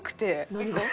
何が？